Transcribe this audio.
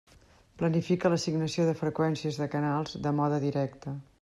Planifica l'assignació de freqüències de canals de mode directe.